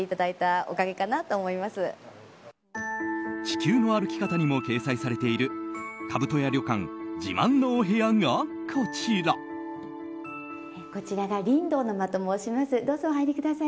「地球の歩き方」にも掲載されている兜家旅館自慢のお部屋がこちら。